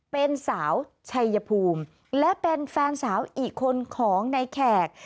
เป็นสาวชัยภูมิและเป็นแฟนสาวอีกคนของในแขก